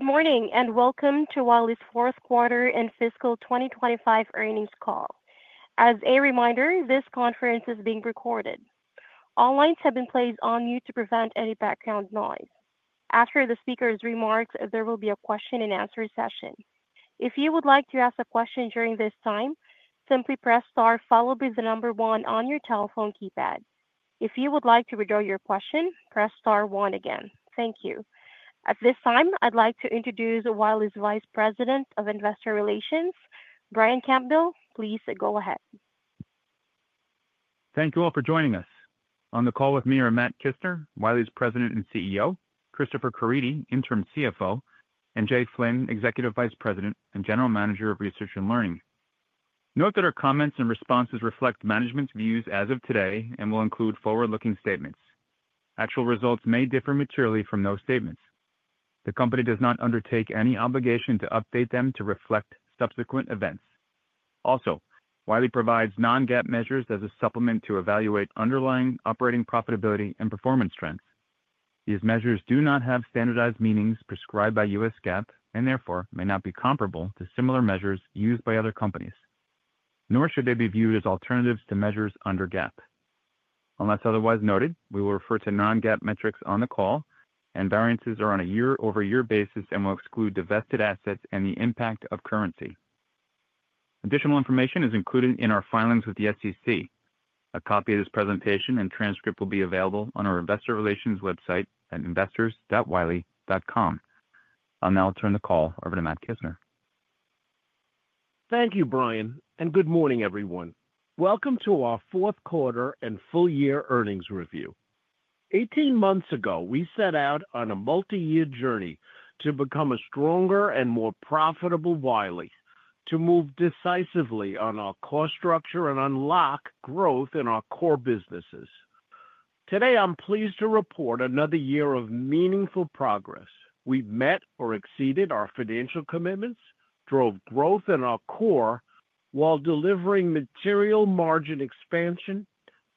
Good morning and welcome to Wiley's Fourth Quarter and Fiscal 2025 Earnings Call. As a reminder, this conference is being recorded. All lines have been placed on mute to prevent any background noise. After the speaker's remarks, there will be a question-and-answer session. If you would like to ask a question during this time, simply press * followed by the number 1 on your telephone keypad. If you would like to withdraw your question, press *1 again. Thank you. At this time, I'd like to introduce Wiley's Vice President of Investor Relations, Brian Campbell. Please go ahead. Thank you all for joining us. On the call with me are Matt Kissner, Wiley's President and CEO, Christopher Caridi, Interim CFO, and Jay Flynn, Executive Vice President and General Manager of Research and Learning. Note that our comments and responses reflect management's views as of today and will include forward-looking statements. Actual results may differ materially from those statements. The company does not undertake any obligation to update them to reflect subsequent events. Also, Wiley provides non-GAAP measures as a supplement to evaluate underlying operating profitability and performance trends. These measures do not have standardized meanings prescribed by U.S. GAAP and therefore may not be comparable to similar measures used by other companies, nor should they be viewed as alternatives to measures under GAAP. Unless otherwise noted, we will refer to non-GAAP metrics on the call, and variances are on a year-over-year basis and will exclude divested assets and the impact of currency. Additional information is included in our filings with the SEC. A copy of this presentation and transcript will be available on our Investor Relations website at investors.wiley.com. I'll now turn the call over to Matt Kissner. Thank you, Brian, and good morning, everyone. Welcome to our fourth quarter and full year earnings review. 18 months ago, we set out on a multi-year journey to become a stronger and more profitable Wiley, to move decisively on our core structure and unlock growth in our core businesses. Today, I'm pleased to report another year of meaningful progress. We met or exceeded our financial commitments, drove growth in our core while delivering material margin expansion,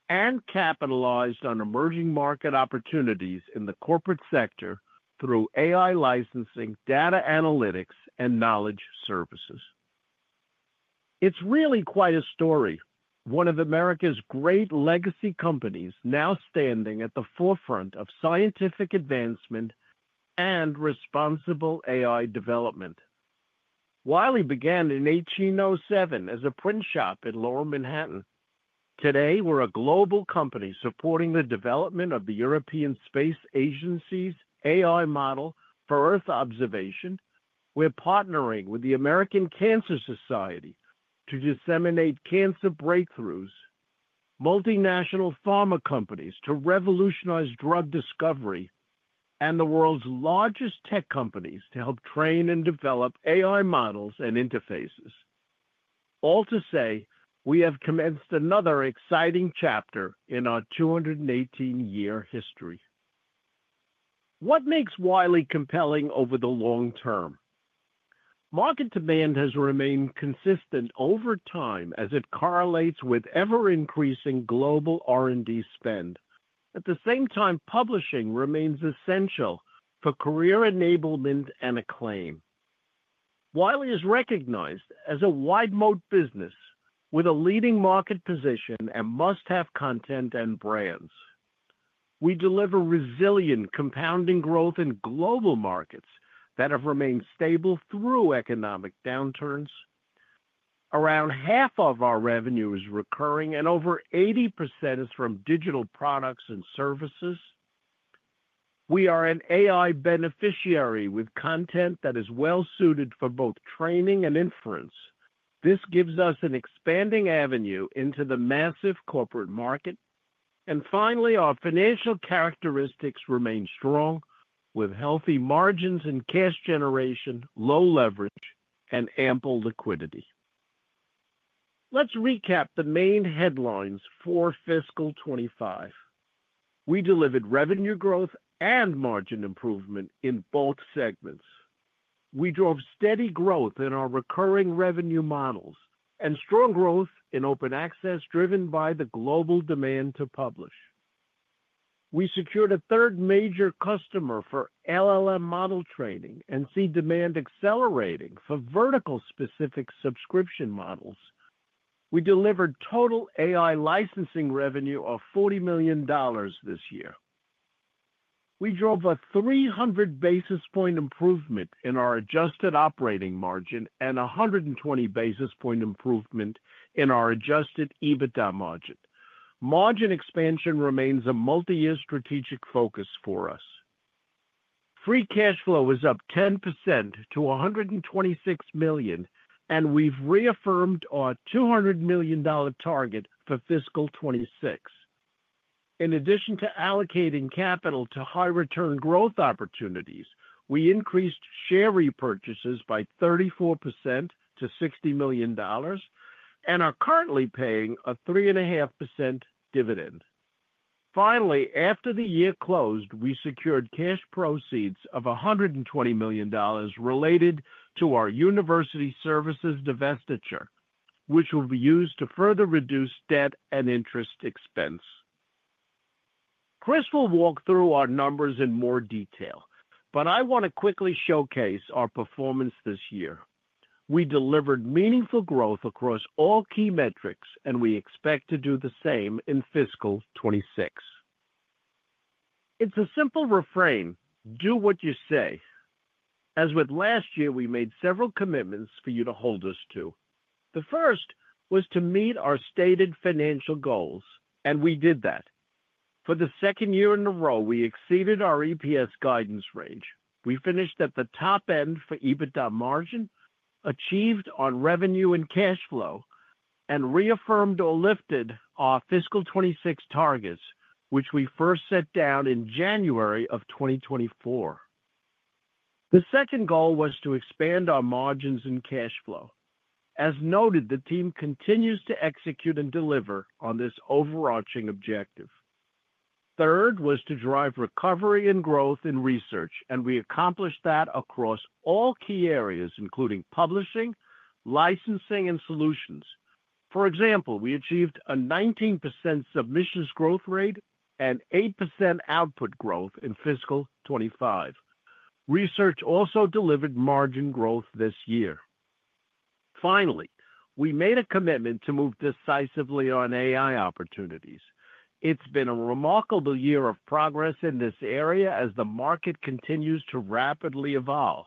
and capitalized on emerging market opportunities in the corporate sector through AI licensing, data analytics, and knowledge services. It's really quite a story, one of America's great legacy companies now standing at the forefront of scientific advancement and responsible AI development. Wiley began in 1807 as a print shop in Lower Manhattan. Today, we're a global company supporting the development of the European Space Agency's AI model for Earth observation. We're partnering with the American Cancer Society to disseminate cancer breakthroughs, multinational pharma companies to revolutionize drug discovery, and the world's largest tech companies to help train and develop AI models and interfaces. All to say, we have commenced another exciting chapter in our 218-year history. What makes Wiley compelling over the long term? Market demand has remained consistent over time as it correlates with ever-increasing global R&D spend. At the same time, publishing remains essential for career enablement and acclaim. Wiley is recognized as a wide-moat business with a leading market position and must-have content and brands. We deliver resilient, compounding growth in global markets that have remained stable through economic downturns. Around half of our revenue is recurring, and over 80% is from digital products and services. We are an AI beneficiary with content that is well-suited for both training and inference. This gives us an expanding avenue into the massive corporate market. Finally, our financial characteristics remain strong, with healthy margins and cash generation, low leverage, and ample liquidity. Let's recap the main headlines for Fiscal 2025. We delivered revenue growth and margin improvement in both segments. We drove steady growth in our recurring revenue models and strong growth in open access driven by the global demand to publish. We secured a third major customer for LLM model training and see demand accelerating for vertical-specific subscription models. We delivered total AI licensing revenue of $40 million this year. We drove a 300 basis point improvement in our adjusted operating margin and 120 basis point improvement in our adjusted EBITDA margin. Margin expansion remains a multi-year strategic focus for us. Free cash flow is up 10% to $126 million, and we've reaffirmed our $200 million target for Fiscal 2026. In addition to allocating capital to high-return growth opportunities, we increased share repurchases by 34% to $60 million and are currently paying a 3.5% dividend. Finally, after the year closed, we secured cash proceeds of $120 million related to our university services divestiture, which will be used to further reduce debt and interest expense. Chris will walk through our numbers in more detail, but I want to quickly showcase our performance this year. We delivered meaningful growth across all key metrics, and we expect to do the same in Fiscal 2026. It's a simple refrain: do what you say. As with last year, we made several commitments for you to hold us to. The first was to meet our stated financial goals, and we did that. For the second year in a row, we exceeded our EPS guidance range. We finished at the top end for EBITDA margin, achieved on revenue and cash flow, and reaffirmed or lifted our Fiscal 2026 targets, which we first set down in January of 2024. The second goal was to expand our margins and cash flow. As noted, the team continues to execute and deliver on this overarching objective. Third was to drive recovery and growth in research, and we accomplished that across all key areas, including publishing, licensing, and solutions. For example, we achieved a 19% submissions growth rate and 8% output growth in Fiscal 2025. Research also delivered margin growth this year. Finally, we made a commitment to move decisively on AI opportunities. It's been a remarkable year of progress in this area as the market continues to rapidly evolve.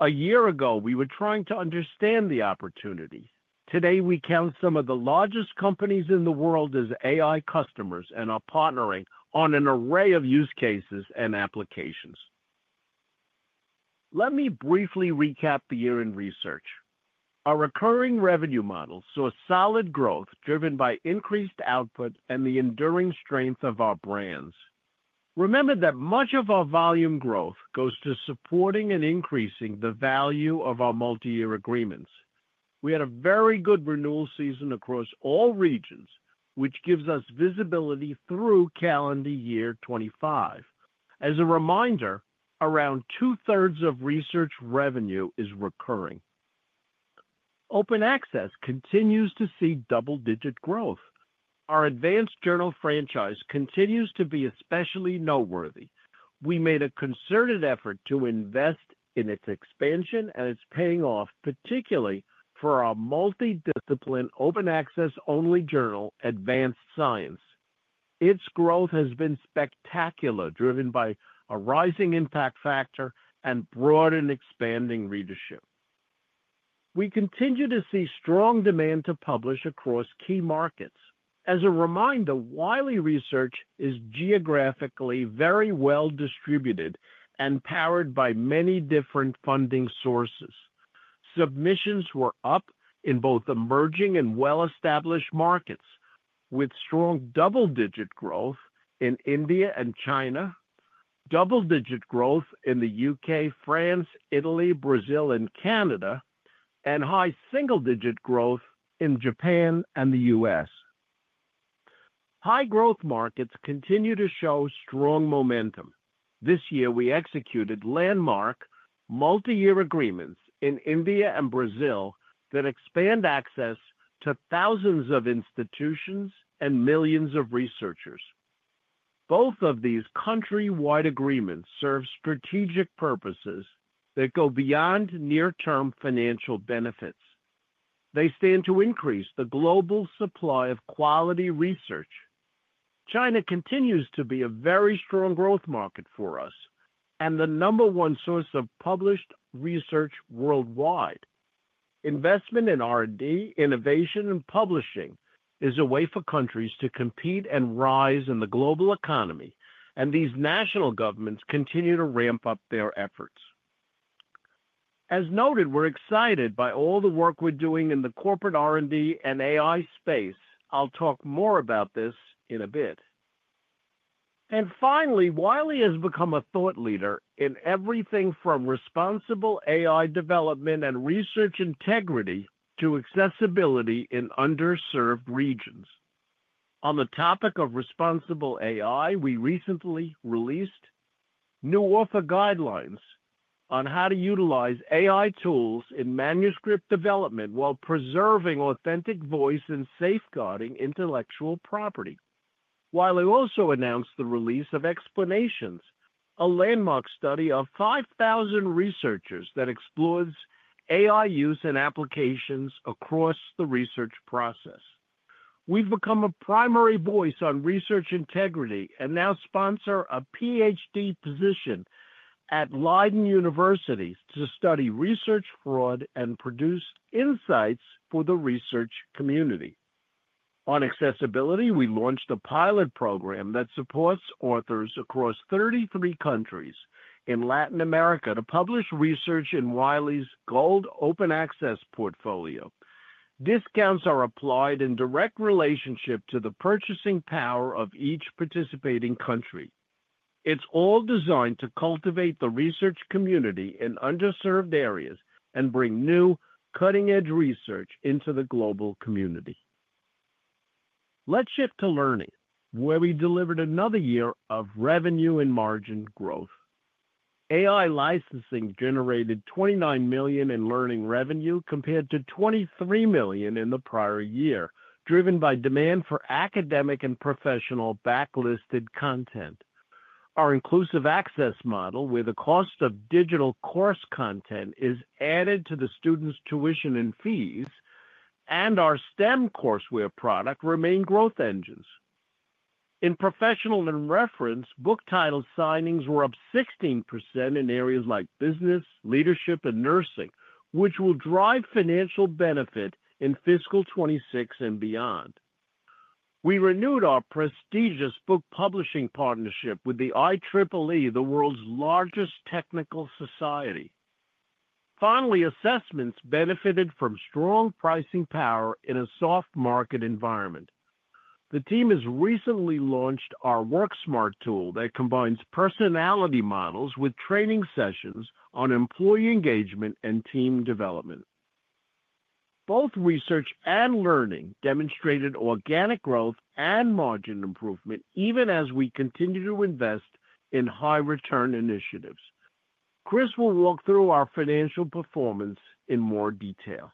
A year ago, we were trying to understand the opportunity. Today, we count some of the largest companies in the world as AI customers and are partnering on an array of use cases and applications. Let me briefly recap the year in research. Our recurring revenue models saw solid growth driven by increased output and the enduring strength of our brands. Remember that much of our volume growth goes to supporting and increasing the value of our multi-year agreements. We had a very good renewal season across all regions, which gives us visibility through calendar year 2025. As a reminder, around two-thirds of research revenue is recurring. Open access continues to see double-digit growth. Our advanced journal franchise continues to be especially noteworthy. We made a concerted effort to invest in its expansion, and it's paying off, particularly for our multidiscipline, open-access-only journal, Advanced Science. Its growth has been spectacular, driven by a rising impact factor and broadened expanding readership. We continue to see strong demand to publish across key markets. As a reminder, Wiley Research is geographically very well-distributed and powered by many different funding sources. Submissions were up in both emerging and well-established markets, with strong double-digit growth in India and China, double-digit growth in the U.K., France, Italy, Brazil, and Canada, and high single-digit growth in Japan and the U.S. High-growth markets continue to show strong momentum. This year, we executed landmark multi-year agreements in India and Brazil that expand access to thousands of institutions and millions of researchers. Both of these countrywide agreements serve strategic purposes that go beyond near-term financial benefits. They stand to increase the global supply of quality research. China continues to be a very strong growth market for us and the number one source of published research worldwide. Investment in R&D, innovation, and publishing is a way for countries to compete and rise in the global economy, and these national governments continue to ramp up their efforts. As noted, we're excited by all the work we're doing in the corporate R&D and AI space. I'll talk more about this in a bit. Wiley has become a thought leader in everything from responsible AI development and research integrity to accessibility in underserved regions. On the topic of responsible AI, we recently released new author guidelines on how to utilize AI tools in manuscript development while preserving authentic voice and safeguarding intellectual property. Wiley also announced the release of Explanations, a landmark study of 5,000 researchers that explores AI use and applications across the research process. We've become a primary voice on research integrity and now sponsor a PhD position at Leiden University to study research fraud and produce insights for the research community. On accessibility, we launched a pilot program that supports authors across 33 countries in Latin America to publish research in Wiley's gold open access portfolio. Discounts are applied in direct relationship to the purchasing power of each participating country. It's all designed to cultivate the research community in underserved areas and bring new, cutting-edge research into the global community. Let's shift to learning, where we delivered another year of revenue and margin growth. AI licensing generated $29 million in learning revenue compared to $23 million in the prior year, driven by demand for academic and professional backlisted content. Our Inclusive Access model, where the cost of digital course content is added to the students' tuition and fees, and our STEM Courseware product remain growth engines. In professional and reference, book title signings were up 16% in areas like business, leadership, and nursing, which will drive financial benefit in Fiscal 2026 and beyond. We renewed our prestigious book publishing partnership with the IEEE, the world's largest technical society. Finally, assessments benefited from strong pricing power in a soft market environment. The team has recently launched our WorkSmart tool that combines personality models with training sessions on employee engagement and team development. Both research and learning demonstrated organic growth and margin improvement, even as we continue to invest in high-return initiatives. Chris will walk through our financial performance in more detail.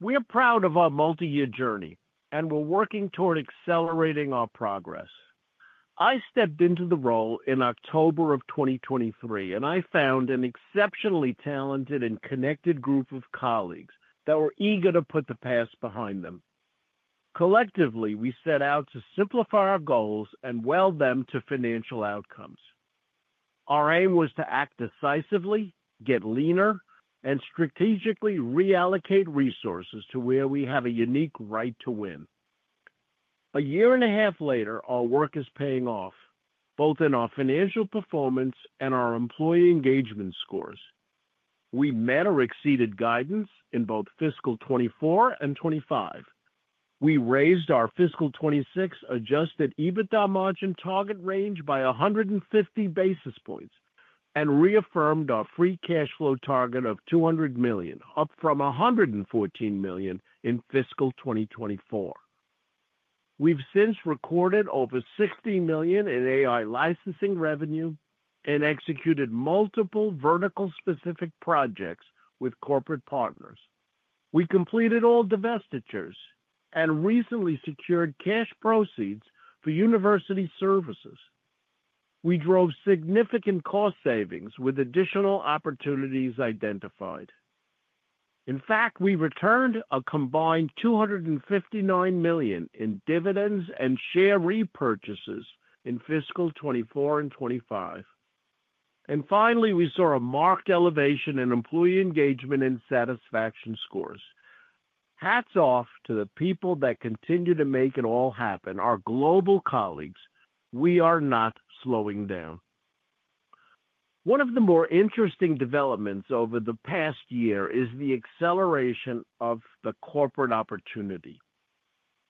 We are proud of our multi-year journey, and we're working toward accelerating our progress. I stepped into the role in October of 2023, and I found an exceptionally talented and connected group of colleagues that were eager to put the past behind them. Collectively, we set out to simplify our goals and weld them to financial outcomes. Our aim was to act decisively, get leaner, and strategically reallocate resources to where we have a unique right to win. A year and a half later, our work is paying off, both in our financial performance and our employee engagement scores. We met or exceeded guidance in both Fiscal 2024 and 2025. We raised our Fiscal 2026 adjusted EBITDA margin target range by 150 basis points and reaffirmed our free cash flow target of $200 million, up from $114 million in Fiscal 2024. We've since recorded over $60 million in AI licensing revenue and executed multiple vertical-specific projects with corporate partners. We completed all divestitures and recently secured cash proceeds for university services. We drove significant cost savings with additional opportunities identified. In fact, we returned a combined $259 million in dividends and share repurchases in Fiscal 2024 and 2025. Finally, we saw a marked elevation in employee engagement and satisfaction scores. Hats off to the people that continue to make it all happen, our global colleagues. We are not slowing down. One of the more interesting developments over the past year is the acceleration of the corporate opportunity.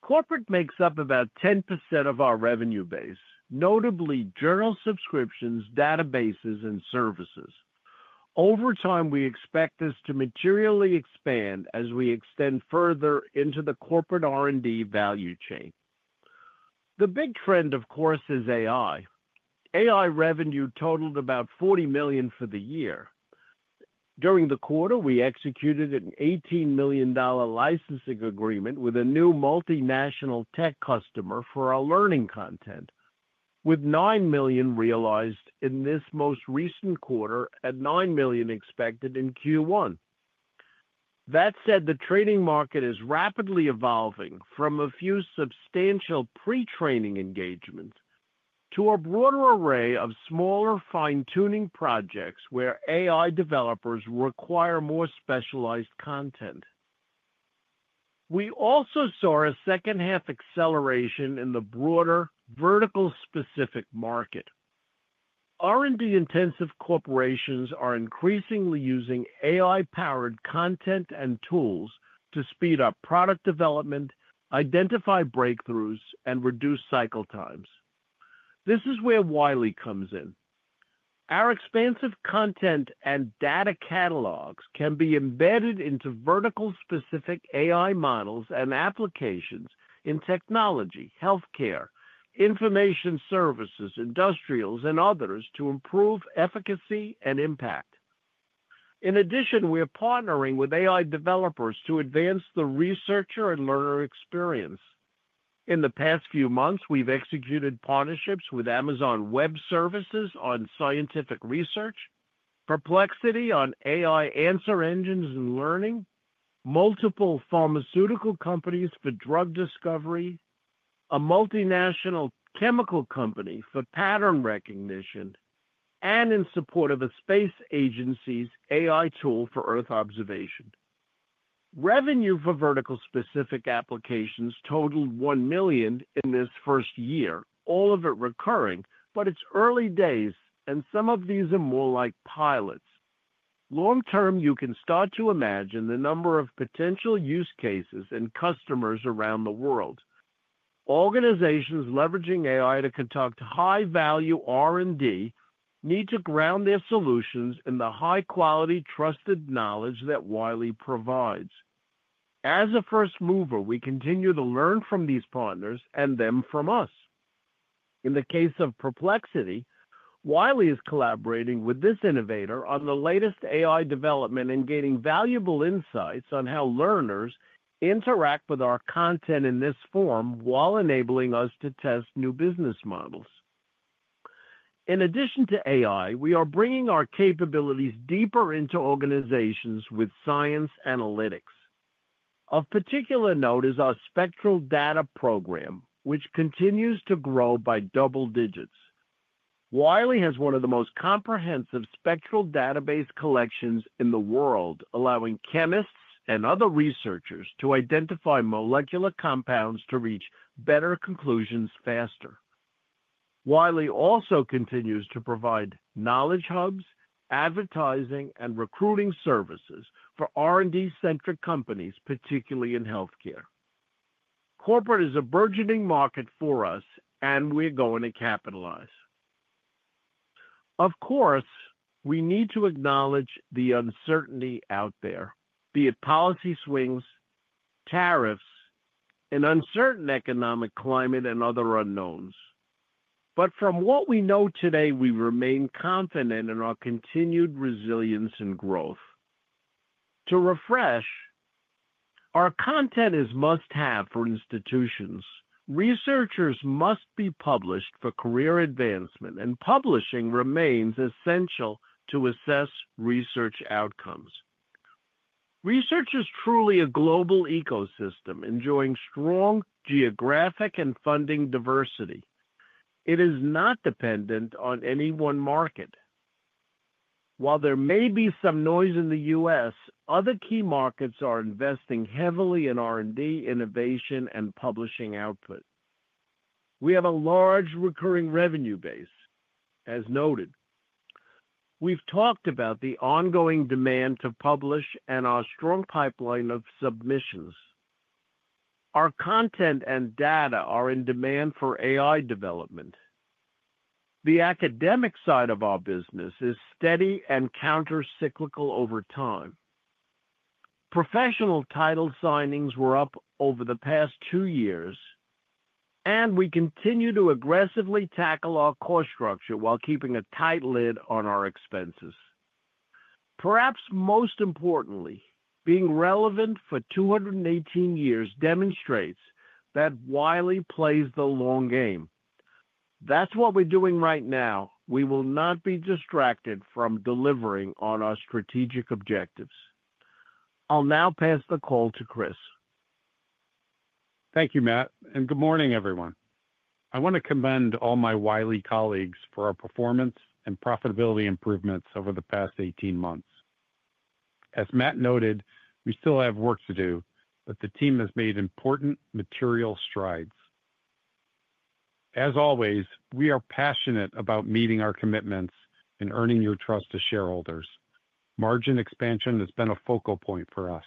Corporate makes up about 10% of our revenue base, notably journal subscriptions, databases, and services. Over time, we expect this to materially expand as we extend further into the corporate R&D value chain. The big trend, of course, is AI. AI revenue totaled about $40 million for the year. During the quarter, we executed an $18 million licensing agreement with a new multinational tech customer for our learning content, with $9 million realized in this most recent quarter and $9 million expected in Q1. That said, the trading market is rapidly evolving from a few substantial pre-training engagements to a broader array of smaller fine-tuning projects where AI developers require more specialized content. We also saw a second-half acceleration in the broader vertical-specific market. R&D-intensive corporations are increasingly using AI-powered content and tools to speed up product development, identify breakthroughs, and reduce cycle times. This is where Wiley comes in. Our expansive content and data catalogs can be embedded into vertical-specific AI models and applications in technology, healthcare, information services, industrials, and others to improve efficacy and impact. In addition, we are partnering with AI developers to advance the researcher and learner experience. In the past few months, we've executed partnerships with Amazon Web Services on scientific research, Perplexity on AI answer engines and learning, multiple pharmaceutical companies for drug discovery, a multinational chemical company for pattern recognition, and in support of a space agency's AI tool for Earth observation. Revenue for vertical-specific applications totaled $1 million in this first year, all of it recurring, but it's early days, and some of these are more like pilots. Long term, you can start to imagine the number of potential use cases and customers around the world. Organizations leveraging AI to conduct high-value R&D need to ground their solutions in the high-quality, trusted knowledge that Wiley provides. As a first mover, we continue to learn from these partners and them from us. In the case of Perplexity, Wiley is collaborating with this innovator on the latest AI development and gaining valuable insights on how learners interact with our content in this form while enabling us to test new business models. In addition to AI, we are bringing our capabilities deeper into organizations with science analytics. Of particular note is our Spectral Data Program, which continues to grow by double digits. Wiley has one of the most comprehensive spectral database collections in the world, allowing chemists and other researchers to identify molecular compounds to reach better conclusions faster. Wiley also continues to provide knowledge hubs, advertising, and recruiting services for R&D-centric companies, particularly in healthcare. Corporate is a burgeoning market for us, and we're going to capitalize. Of course, we need to acknowledge the uncertainty out there, be it policy swings, tariffs, an uncertain economic climate, and other unknowns. From what we know today, we remain confident in our continued resilience and growth. To refresh, our content is must-have for institutions. Researchers must be published for career advancement, and publishing remains essential to assess research outcomes. Research is truly a global ecosystem enjoying strong geographic and funding diversity. It is not dependent on any one market. While there may be some noise in the U.S., other key markets are investing heavily in R&D, innovation, and publishing output. We have a large recurring revenue base, as noted. We have talked about the ongoing demand to publish and our strong pipeline of submissions. Our content and data are in demand for AI development. The academic side of our business is steady and countercyclical over time. Professional title signings were up over the past two years, and we continue to aggressively tackle our cost structure while keeping a tight lid on our expenses. Perhaps most importantly, being relevant for 218 years demonstrates that Wiley plays the long game. That is what we are doing right now. We will not be distracted from delivering on our strategic objectives. I will now pass the call to Chris. Thank you, Matt, and good morning, everyone. I want to commend all my Wiley colleagues for our performance and profitability improvements over the past 18 months. As Matt noted, we still have work to do, but the team has made important material strides. As always, we are passionate about meeting our commitments and earning your trust as shareholders. Margin expansion has been a focal point for us.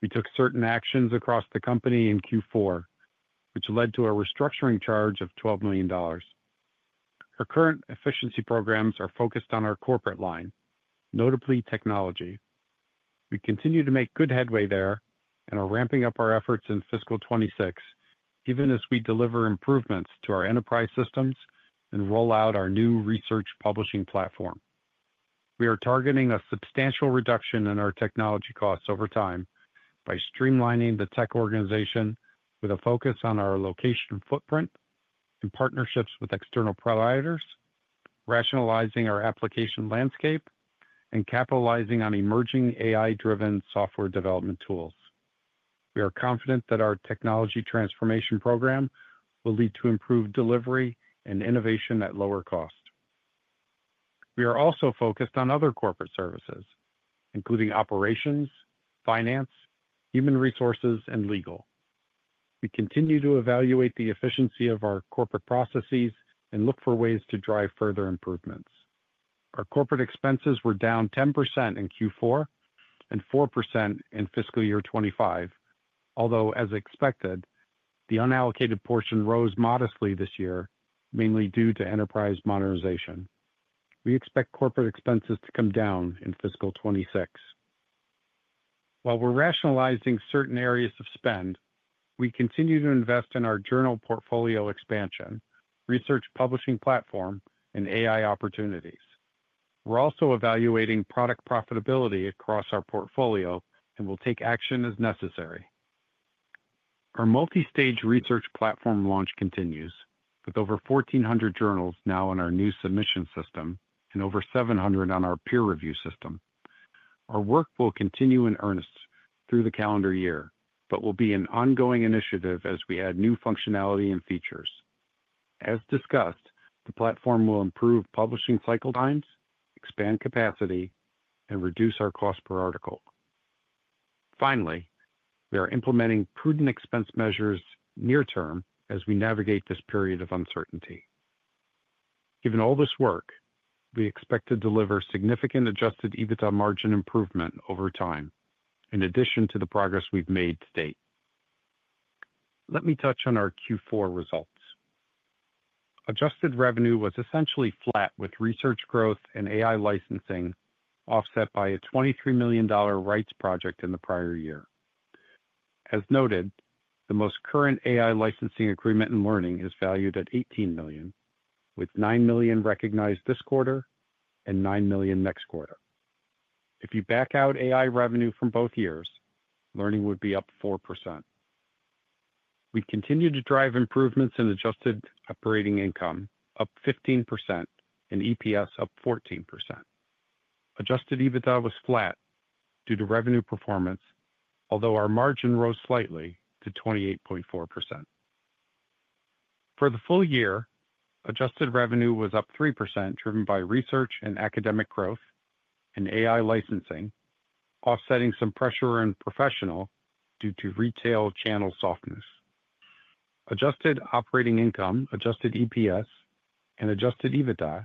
We took certain actions across the company in Q4, which led to a restructuring charge of $12 million. Our current efficiency programs are focused on our corporate line, notably technology. We continue to make good headway there and are ramping up our efforts in Fiscal 2026, given as we deliver improvements to our enterprise systems and roll out our new research publishing platform. We are targeting a substantial reduction in our technology costs over time by streamlining the tech organization with a focus on our location footprint and partnerships with external providers, rationalizing our application landscape, and capitalizing on emerging AI-driven software development tools. We are confident that our technology transformation program will lead to improved delivery and innovation at lower cost. We are also focused on other corporate services, including operations, finance, human resources, and legal. We continue to evaluate the efficiency of our corporate processes and look for ways to drive further improvements. Our corporate expenses were down 10% in Q4 and 4% in Fiscal Year 2025, although, as expected, the unallocated portion rose modestly this year, mainly due to enterprise modernization. We expect corporate expenses to come down in Fiscal 2026. While we're rationalizing certain areas of spend, we continue to invest in our journal portfolio expansion, research publishing platform, and AI opportunities. We're also evaluating product profitability across our portfolio and will take action as necessary. Our multi-stage research platform launch continues, with over 1,400 journals now in our new submission system and over 700 on our peer review system. Our work will continue in earnest through the calendar year, but will be an ongoing initiative as we add new functionality and features. As discussed, the platform will improve publishing cycle times, expand capacity, and reduce our cost per article. Finally, we are implementing prudent expense measures near-term as we navigate this period of uncertainty. Given all this work, we expect to deliver significant adjusted EBITDA margin improvement over time, in addition to the progress we've made to date. Let me touch on our Q4 results. Adjusted revenue was essentially flat, with research growth and AI licensing offset by a $23 million rights project in the prior year. As noted, the most current AI licensing agreement in learning is valued at $18 million, with $9 million recognized this quarter and $9 million next quarter. If you back out AI revenue from both years, learning would be up 4%. We continue to drive improvements in adjusted operating income, up 15%, and EPS up 14%. Adjusted EBITDA was flat due to revenue performance, although our margin rose slightly to 28.4%. For the full year, adjusted revenue was up 3%, driven by research and academic growth and AI licensing, offsetting some pressure on professional due to retail channel softness. Adjusted operating income, adjusted EPS, and adjusted EBITDA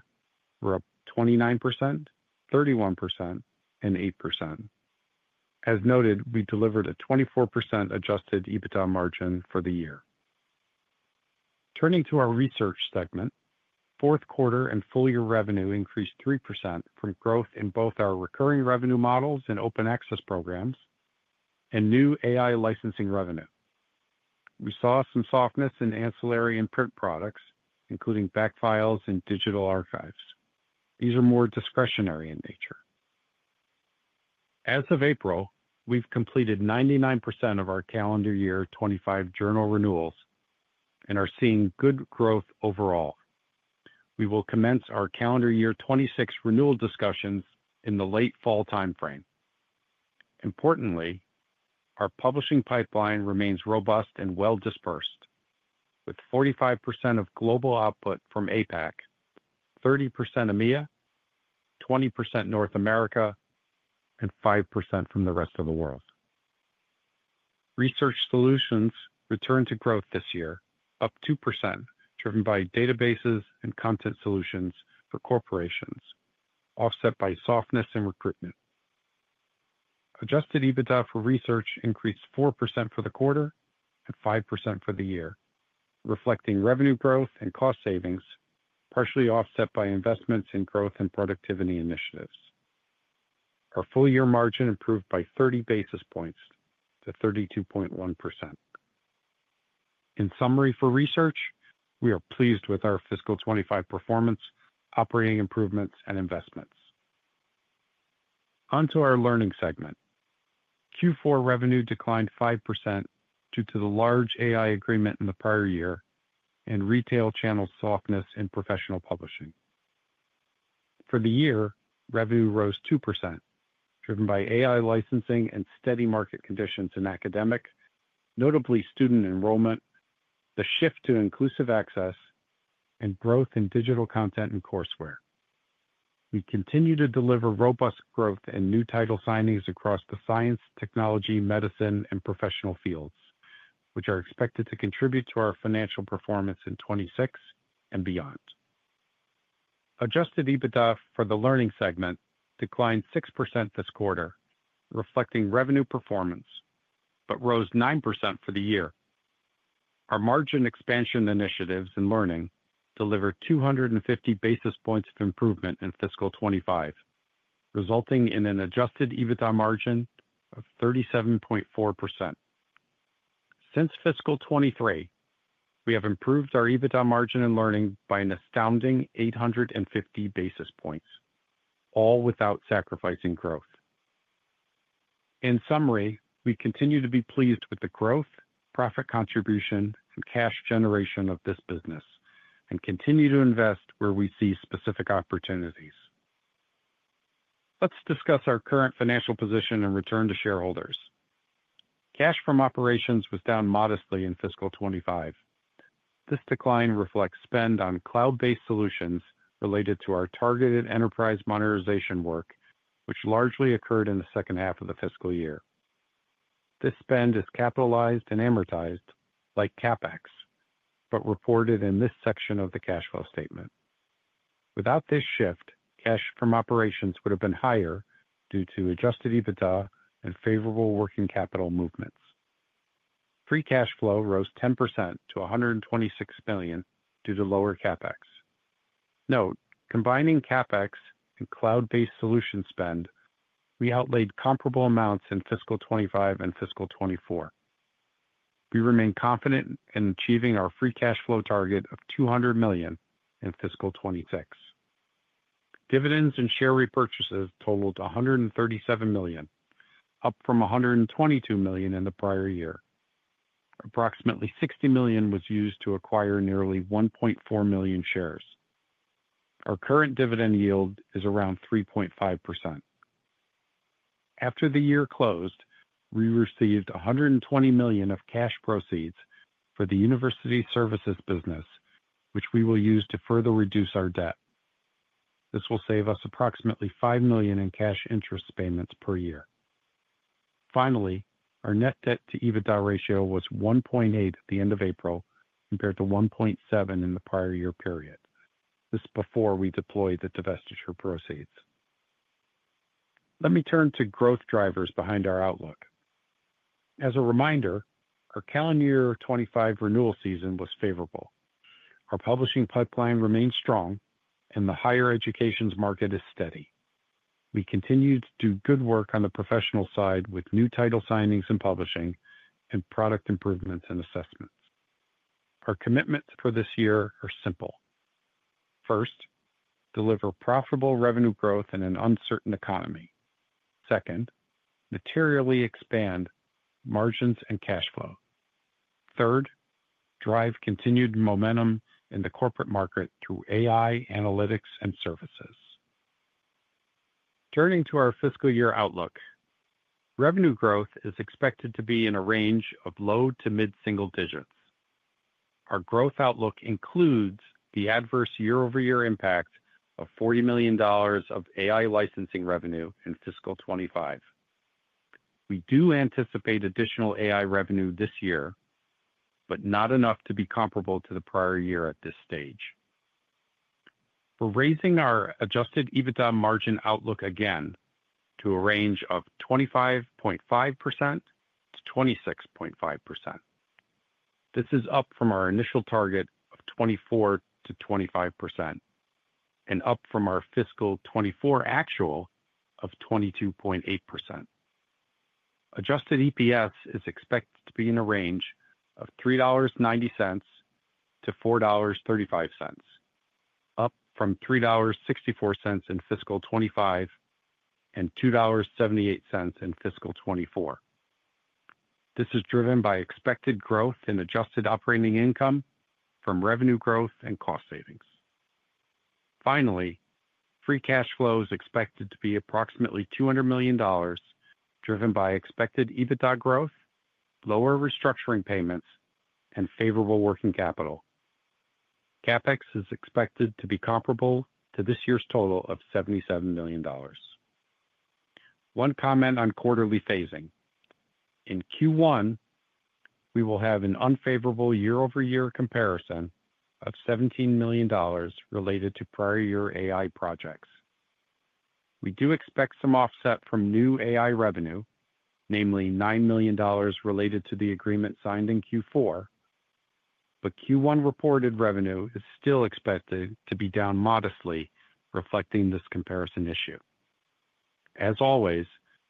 were up 29%, 31%, and 8%. As noted, we delivered a 24% adjusted EBITDA margin for the year. Turning to our research segment, fourth quarter and full year revenue increased 3% from growth in both our recurring revenue models and open access programs and new AI licensing revenue. We saw some softness in ancillary and print products, including back files and digital archives. These are more discretionary in nature. As of April, we have completed 99% of our calendar year 2025 journal renewals and are seeing good growth overall. We will commence our calendar year 2026 renewal discussions in the late fall timeframe. Importantly, our publishing pipeline remains robust and well-dispersed, with 45% of global output from APAC, 30% EMEA, 20% North America, and 5% from the rest of the world. Research solutions returned to growth this year, up 2%, driven by databases and content solutions for corporations, offset by softness in recruitment. Adjusted EBITDA for research increased 4% for the quarter and 5% for the year, reflecting revenue growth and cost savings, partially offset by investments in growth and productivity initiatives. Our full year margin improved by 30 basis points to 32.1%. In summary for research, we are pleased with our Fiscal 2025 performance, operating improvements, and investments. Onto our learning segment. Q4 revenue declined 5% due to the large AI agreement in the prior year and retail channel softness in professional publishing. For the year, revenue rose 2%, driven by AI licensing and steady market conditions in academic, notably student enrollment, the shift to Inclusive Access, and growth in digital content and courseware. We continue to deliver robust growth and new title signings across the science, technology, medicine, and professional fields, which are expected to contribute to our financial performance in 2026 and beyond. Adjusted EBITDA for the learning segment declined 6% this quarter, reflecting revenue performance, but rose 9% for the year. Our margin expansion initiatives in learning delivered 250 basis points of improvement in Fiscal 2025, resulting in an adjusted EBITDA margin of 37.4%. Since Fiscal 2023, we have improved our EBITDA margin in learning by an astounding 850 basis points, all without sacrificing growth. In summary, we continue to be pleased with the growth, profit contribution, and cash generation of this business and continue to invest where we see specific opportunities. Let's discuss our current financial position and return to shareholders. Cash from operations was down modestly in Fiscal 2025. This decline reflects spend on cloud-based solutions related to our targeted enterprise modernization work, which largely occurred in the second half of the fiscal year. This spend is capitalized and amortized, like CapEx, but reported in this section of the cash flow statement. Without this shift, cash from operations would have been higher due to adjusted EBITDA and favorable working capital movements. Free cash flow rose 10% to $126 million due to lower CapEx. Note, combining CapEx and cloud-based solution spend, we outlayed comparable amounts in Fiscal 2025 and Fiscal 2024. We remain confident in achieving our free cash flow target of $200 million in Fiscal 2026. Dividends and share repurchases totaled $137 million, up from $122 million in the prior year. Approximately $60 million was used to acquire nearly 1.4 million shares. Our current dividend yield is around 3.5%. After the year closed, we received $120 million of cash proceeds for the university services business, which we will use to further reduce our debt. This will save us approximately $5 million in cash interest payments per year. Finally, our net debt to EBITDA ratio was 1.8 at the end of April compared to 1.7 in the prior year period. This is before we deployed the divestiture proceeds. Let me turn to growth drivers behind our outlook. As a reminder, our calendar year 2025 renewal season was favorable. Our publishing pipeline remains strong, and the higher education market is steady. We continue to do good work on the professional side with new title signings and publishing and product improvements and assessments. Our commitments for this year are simple. First, deliver profitable revenue growth in an uncertain economy. Second, materially expand margins and cash flow. Third, drive continued momentum in the corporate market through AI analytics and services. Turning to our fiscal year outlook, revenue growth is expected to be in a range of low to mid-single digits. Our growth outlook includes the adverse year-over-year impact of $40 million of AI licensing revenue in Fiscal 2025. We do anticipate additional AI revenue this year, but not enough to be comparable to the prior year at this stage. We're raising our adjusted EBITDA margin outlook again to a range of 25.5%-26.5%. This is up from our initial target of 24-25% and up from our Fiscal 2024 actual of 22.8%. Adjusted EPS is expected to be in a range of $3.90-$4.35, up from $3.64 in Fiscal 2025 and $2.78 in Fiscal 2024. This is driven by expected growth in adjusted operating income from revenue growth and cost savings. Finally, free cash flow is expected to be approximately $200 million, driven by expected EBITDA growth, lower restructuring payments, and favorable working capital. CapEx is expected to be comparable to this year's total of $77 million. One comment on quarterly phasing. In Q1, we will have an unfavorable year-over-year comparison of $17 million related to prior year AI projects. We do expect some offset from new AI revenue, namely $9 million related to the agreement signed in Q4, but Q1 reported revenue is still expected to be down modestly, reflecting this comparison issue. As always,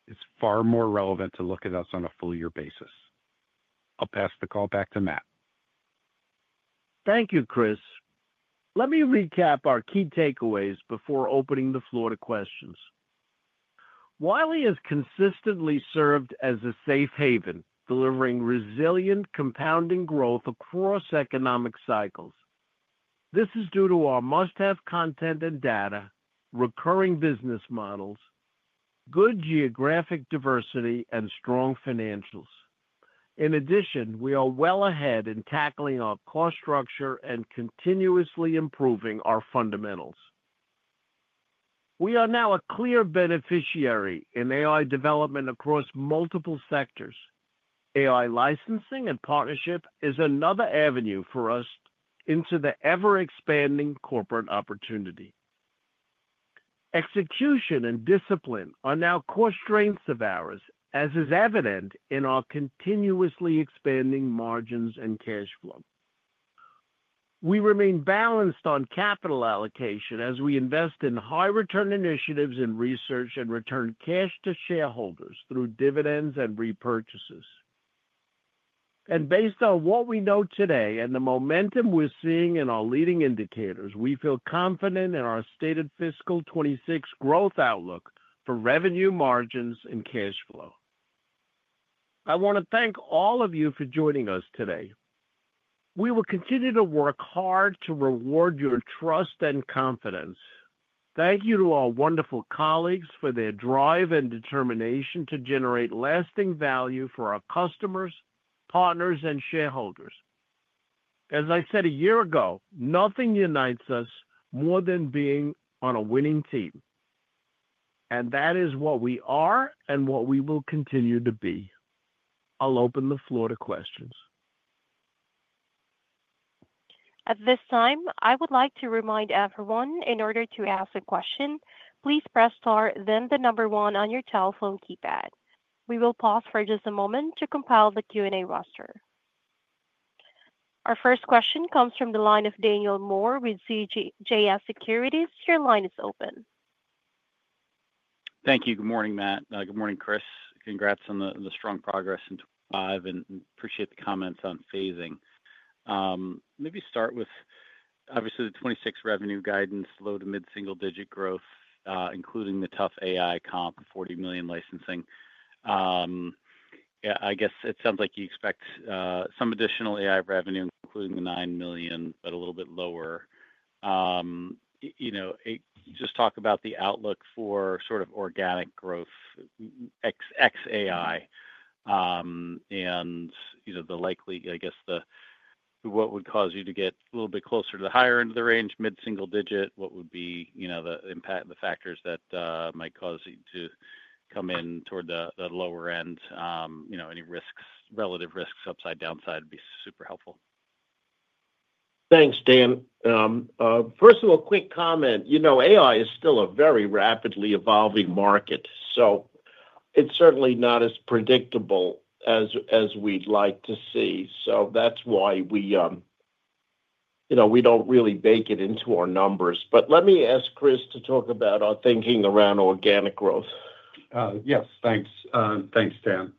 it's far more relevant to look at us on a full year basis. I'll pass the call back to Matt. Thank you, Chris. Let me recap our key takeaways before opening the floor to questions. Wiley has consistently served as a safe haven, delivering resilient compounding growth across economic cycles. This is due to our must-have content and data, recurring business models, good geographic diversity, and strong financials. In addition, we are well ahead in tackling our cost structure and continuously improving our fundamentals. We are now a clear beneficiary in AI development across multiple sectors. AI licensing and partnership is another avenue for us into the ever-expanding corporate opportunity. Execution and discipline are now core strengths of ours, as is evident in our continuously expanding margins and cash flow. We remain balanced on capital allocation as we invest in high-return initiatives in research and return cash to shareholders through dividends and repurchases. Based on what we know today and the momentum we're seeing in our leading indicators, we feel confident in our stated Fiscal 2026 growth outlook for revenue, margins, and cash flow. I want to thank all of you for joining us today. We will continue to work hard to reward your trust and confidence. Thank you to our wonderful colleagues for their drive and determination to generate lasting value for our customers, partners, and shareholders. As I said a year ago, nothing unites us more than being on a winning team. That is what we are and what we will continue to be. I'll open the floor to questions. At this time, I would like to remind everyone, in order to ask a question, please press star, then the number one on your telephone keypad. We will pause for just a moment to compile the Q&A roster. Our first question comes from the line of Daniel Moore with CJS Securities. Your line is open. Thank you. Good morning, Matt. Good morning, Chris. Congrats on the strong progress in 2025 and appreciate the comments on phasing. Maybe start with, obviously, the 2026 revenue guidance, low to mid-single digit growth, including the tough AI comp, $40 million licensing. Yeah, I guess it sounds like you expect some additional AI revenue, including the $9 million, but a little bit lower. Just talk about the outlook for sort of organic growth, ex-AI, and the likely, I guess, what would cause you to get a little bit closer to the higher end of the range, mid-single digit? What would be the impact and the factors that might cause you to come in toward the lower end? Any risks, relative risks, upside, downside would be super helpful. Thanks, Dan. First of all, quick comment. AI is still a very rapidly evolving market, so it's certainly not as predictable as we'd like to see. That's why we don't really bake it into our numbers. Let me ask Chris to talk about our thinking around organic growth. Yes, thanks. Thanks, Dan.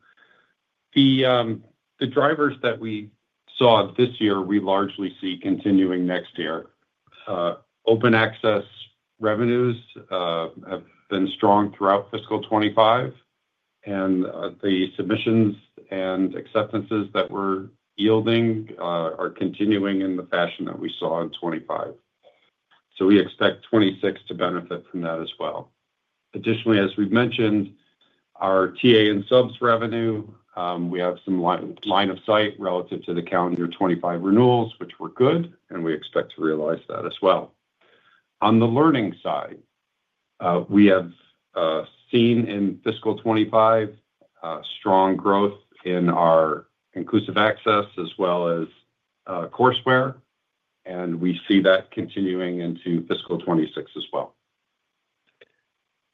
The drivers that we saw this year, we largely see continuing next year. Open access revenues have been strong throughout Fiscal 2025, and the submissions and acceptances that we're yielding are continuing in the fashion that we saw in 2025. We expect 2026 to benefit from that as well. Additionally, as we've mentioned, our TA and subs revenue, we have some line of sight relative to the calendar year 2025 renewals, which were good, and we expect to realize that as well. On the learning side, we have seen in Fiscal 2025 strong growth in our inclusive access as well as courseware, and we see that continuing into Fiscal 2026 as well.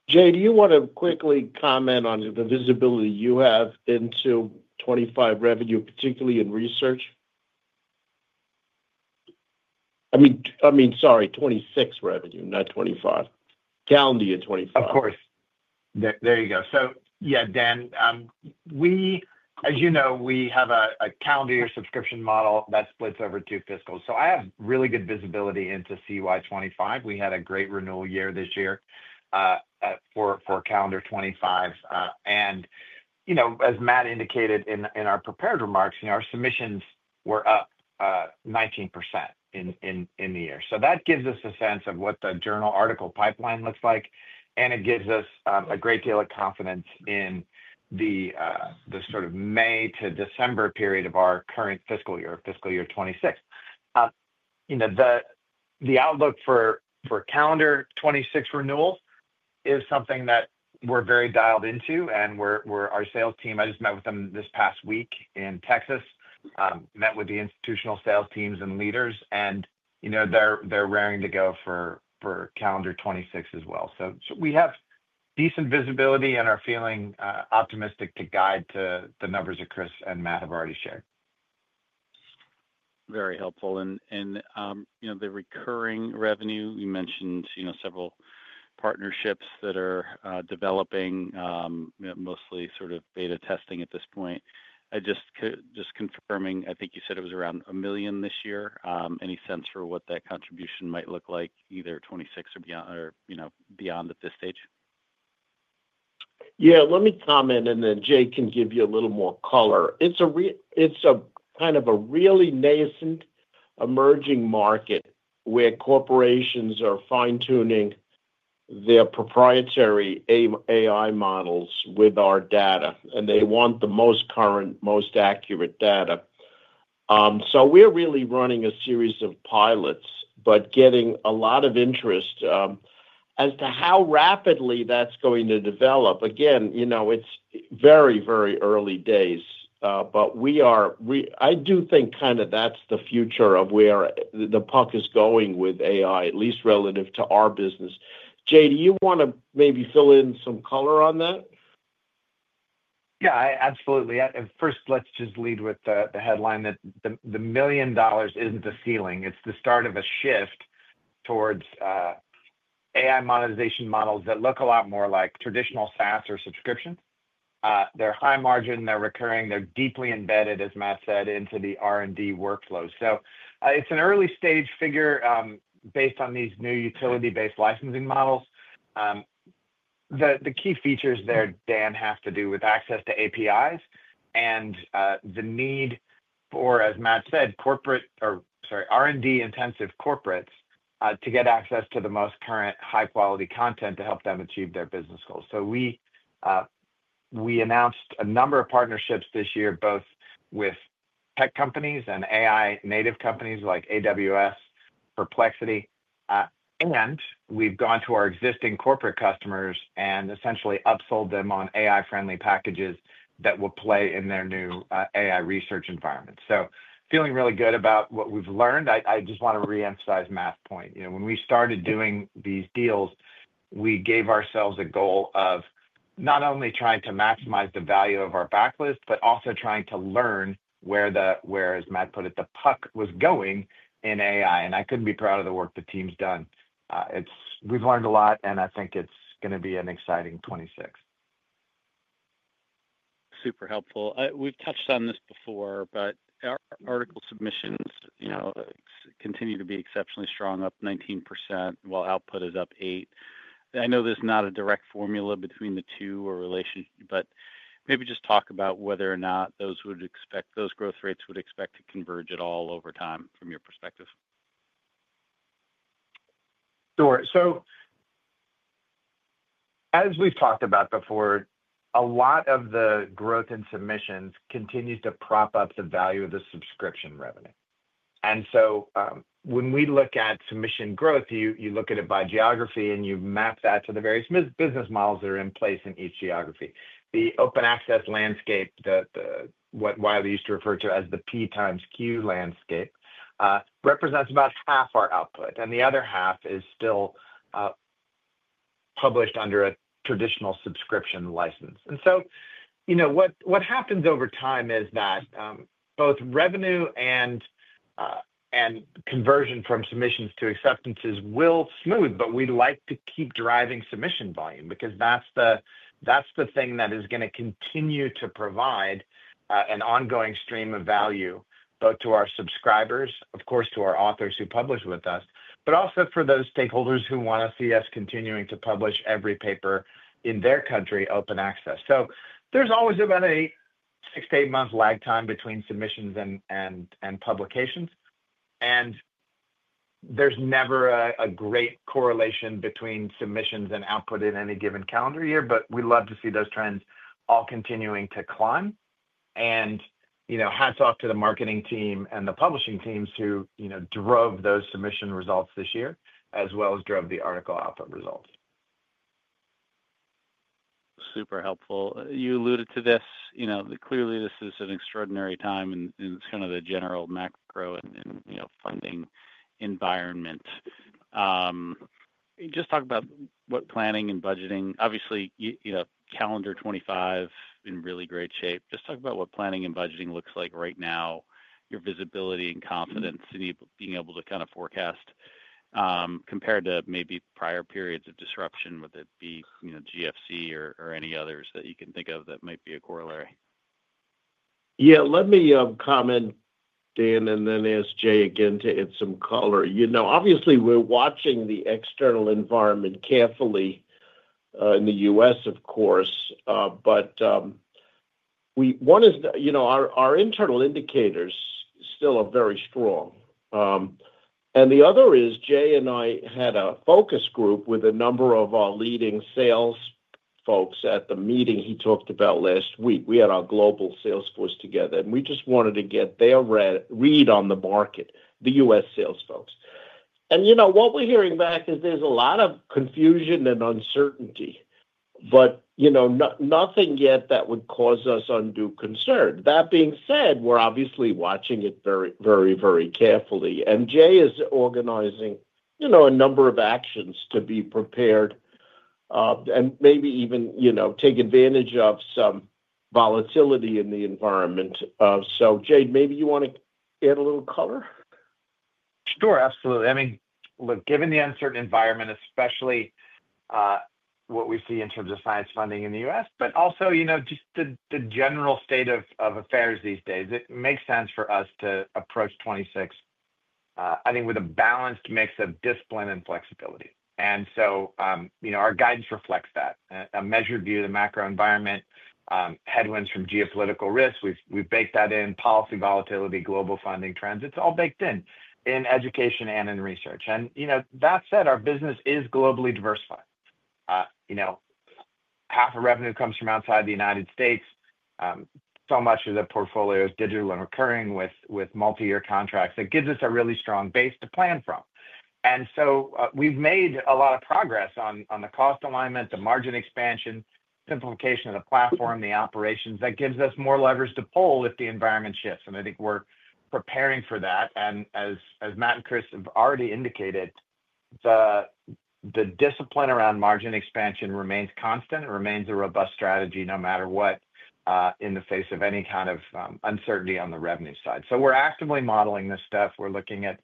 Jay, do you want to quickly comment on the visibility you have into 2025 revenue, particularly in research? I mean, sorry, 2026 revenue, not 2025. Calendar year 2025. Of course. There you go. Yeah, Dan, as you know, we have a calendar year subscription model that splits over two fiscals. I have really good visibility into calendar year 2025. We had a great renewal year this year for calendar year 2025. As Matt indicated in our prepared remarks, our submissions were up 19% in the year. That gives us a sense of what the journal article pipeline looks like, and it gives us a great deal of confidence in the sort of May to December period of our current fiscal year, fiscal year 2026. The outlook for calendar year 2026 renewals is something that we're very dialed into, and our sales team, I just met with them this past week in Texas, met with the institutional sales teams and leaders, and they're raring to go for calendar year 2026 as well. We have decent visibility and are feeling optimistic to guide to the numbers that Chris and Matt have already shared. Very helpful. The recurring revenue, you mentioned several partnerships that are developing, mostly sort of beta testing at this point. Just confirming, I think you said it was around $1 million this year. Any sense for what that contribution might look like, either 2026 or beyond at this stage? Yeah, let me comment, and then Jay can give you a little more color. It is kind of a really nascent emerging market where corporations are fine-tuning their proprietary AI models with our data, and they want the most current, most accurate data. We are really running a series of pilots, but getting a lot of interest as to how rapidly that is going to develop. Again, it's very, very early days, but I do think kind of that's the future of where the puck is going with AI, at least relative to our business. Jay, do you want to maybe fill in some color on that? Yeah, absolutely. First, let's just lead with the headline that the $1 million isn't the ceiling. It's the start of a shift towards AI monetization models that look a lot more like traditional SaaS or subscriptions. They're high margin, they're recurring, they're deeply embedded, as Matt said, into the R&D workflow. So it's an early stage figure based on these new utility-based licensing models. The key features there, Dan, have to do with access to APIs and the need for, as Matt said, corporate or, sorry, R&D-intensive corporates to get access to the most current high-quality content to help them achieve their business goals. We announced a number of partnerships this year, both with tech companies and AI-native companies like AWS, Perplexity, and we've gone to our existing corporate customers and essentially upsold them on AI-friendly packages that will play in their new AI research environment. Feeling really good about what we've learned, I just want to reemphasize Matt's point. When we started doing these deals, we gave ourselves a goal of not only trying to maximize the value of our backlist, but also trying to learn where, as Matt put it, the puck was going in AI. I couldn't be more proud of the work the team's done. We've learned a lot, and I think it's going to be an exciting 2026. Super helpful. We've touched on this before, but our article submissions continue to be exceptionally strong, up 19%, while output is up 8%. I know there's not a direct formula between the two or relationship, but maybe just talk about whether or not those growth rates would expect to converge at all over time from your perspective. Sure. As we've talked about before, a lot of the growth in submissions continues to prop up the value of the subscription revenue. When we look at submission growth, you look at it by geography, and you map that to the various business models that are in place in each geography. The open access landscape, what Wiley used to refer to as the P times Q landscape, represents about half our output, and the other half is still published under a traditional subscription license. What happens over time is that both revenue and conversion from submissions to acceptances will smooth, but we'd like to keep driving submission volume because that's the thing that is going to continue to provide an ongoing stream of value, both to our subscribers, of course, to our authors who publish with us, but also for those stakeholders who want to see us continuing to publish every paper in their country, open access. There is always about a six to eight-month lag time between submissions and publications. There is never a great correlation between submissions and output in any given calendar year, but we'd love to see those trends all continuing to climb. Hats off to the marketing team and the publishing teams who drove those submission results this year, as well as drove the article output results. Super helpful. You alluded to this. Clearly, this is an extraordinary time, and it's kind of the general macro and funding environment. Just talk about what planning and budgeting. Obviously, calendar year 2025 in really great shape. Just talk about what planning and budgeting looks like right now, your visibility and confidence, and being able to kind of forecast compared to maybe prior periods of disruption, whether it be GFC or any others that you can think of that might be a corollary. Yeah, let me comment, Dan, and then ask Jay again to add some color. Obviously, we're watching the external environment carefully in the U.S., of course, but one is our internal indicators still are very strong. The other is Jay and I had a focus group with a number of our leading sales folks at the meeting he talked about last week. We had our global sales force together, and we just wanted to get their read on the market, the U.S. sales folks. What we are hearing back is there is a lot of confusion and uncertainty, but nothing yet that would cause us undue concern. That being said, we are obviously watching it very, very carefully. Jay is organizing a number of actions to be prepared and maybe even take advantage of some volatility in the environment. Jay, maybe you want to add a little color? Sure, absolutely. I mean, look, given the uncertain environment, especially what we see in terms of SaaS funding in the U.S., but also just the general state of affairs these days, it makes sense for us to approach 2026, I think, with a balanced mix of discipline and flexibility. Our guidance reflects that. A measured view of the macro environment, headwinds from geopolitical risks, we've baked that in, policy volatility, global funding trends. It's all baked in in education and in research. That said, our business is globally diversified. Half of revenue comes from outside the U.S. Much of the portfolio is digital and recurring with multi-year contracts. It gives us a really strong base to plan from. We've made a lot of progress on the cost alignment, the margin expansion, simplification of the platform, the operations. That gives us more levers to pull if the environment shifts. I think we're preparing for that. As Matt and Chris have already indicated, the discipline around margin expansion remains constant. It remains a robust strategy no matter what in the face of any kind of uncertainty on the revenue side. We're actively modeling this stuff. We're looking at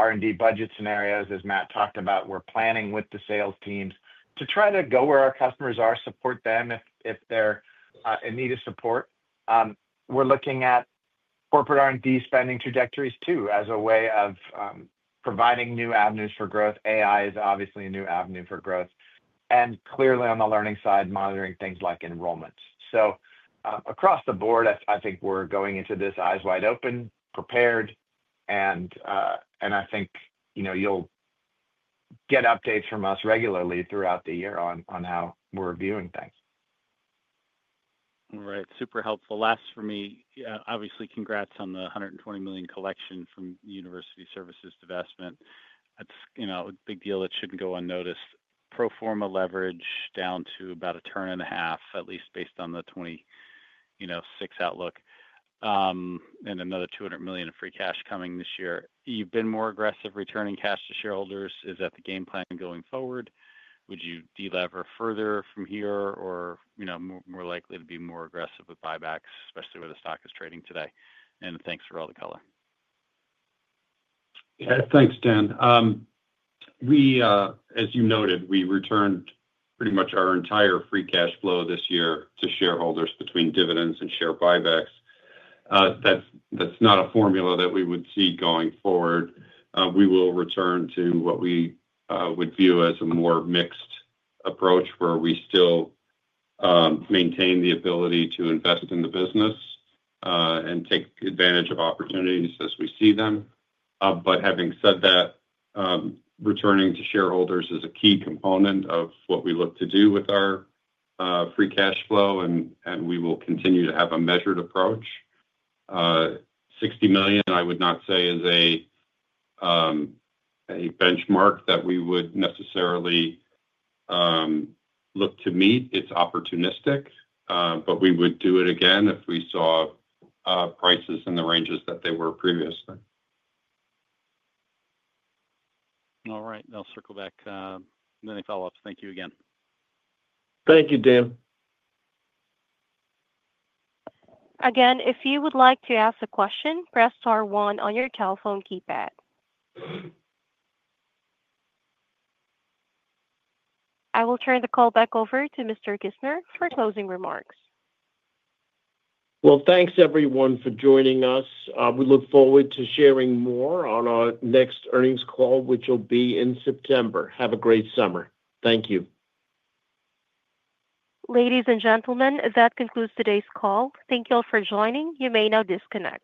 R&D budget scenarios, as Matt talked about. We're planning with the sales teams to try to go where our customers are, support them if they're in need of support. We're looking at corporate R&D spending trajectories too as a way of providing new avenues for growth. AI is obviously a new avenue for growth. Clearly, on the learning side, monitoring things like enrollments. Across the board, I think we're going into this eyes wide open, prepared, and I think you'll get updates from us regularly throughout the year on how we're viewing things. All right. Super helpful. Last for me, obviously, congrats on the $120 million collection from University Services Investment. It's a big deal. It shouldn't go unnoticed. Pro forma leverage down to about a turn and a half, at least based on the 2026 outlook, and another $200 million in free cash coming this year. You've been more aggressive returning cash to shareholders. Is that the game plan going forward? Would you deliver further from here or more likely to be more aggressive with buybacks, especially where the stock is trading today? Thanks for all the color. Yeah, thanks, Dan. As you noted, we returned pretty much our entire free cash flow this year to shareholders between dividends and share buybacks. That's not a formula that we would see going forward. We will return to what we would view as a more mixed approach where we still maintain the ability to invest in the business and take advantage of opportunities as we see them. But having said that, returning to shareholders is a key component of what we look to do with our free cash flow, and we will continue to have a measured approach. $60 million, I would not say is a benchmark that we would necessarily look to meet. It is opportunistic, but we would do it again if we saw prices in the ranges that they were previously. All right. I will circle back. Many follow-ups. Thank you again. Thank you, Dan. Again, if you would like to ask a question, press star one on your telephone keypad. I will turn the call back over to Mr. Kissner for closing remarks. Thank you, everyone, for joining us. We look forward to sharing more on our next earnings call, which will be in September. Have a great summer. Thank you. Ladies and gentlemen, that concludes today's call. Thank you all for joining. You may now disconnect.